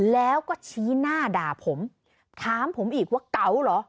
แล้วก็ชี้หน้าด่าผมถามผมอีกว่าเก๋าเหรอ